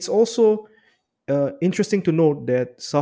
juga menarik untuk diketahui